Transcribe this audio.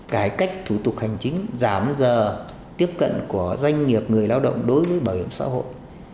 cải cách thủ tục hành chính giảm giờ tiếp cận của doanh nghiệp người lao động đối với bảo hiểm xã hội